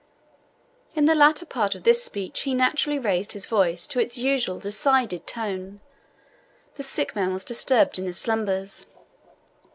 In the latter part of this speech he naturally raised his voice to its usual decided tone, The sick man was disturbed in his slumbers.